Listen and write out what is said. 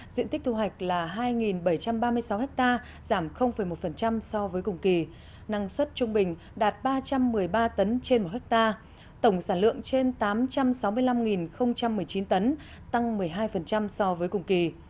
diện tích thu hoạch là hai bảy trăm ba mươi sáu ha giảm một so với cùng kỳ năng suất trung bình đạt ba trăm một mươi ba tấn trên một ha tổng sản lượng trên tám trăm sáu mươi năm một mươi chín tấn tăng một mươi hai so với cùng kỳ